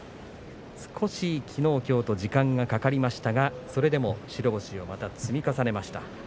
きのう、きょうと少し時間がかかりましたがそれでも白星をまた積み重ねました。